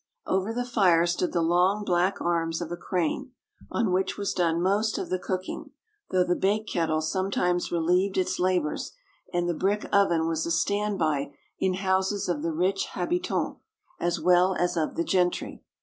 Over the fire stood the long, black arms of a crane, on which was done most of the cooking; though the "bake kettle" sometimes relieved its labours, and the brick oven was a standby in houses of the rich habitants, as well as of the gentry.